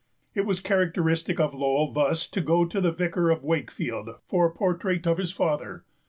It was characteristic of Lowell thus to go to The Vicar of Wakefield for a portrait of his father.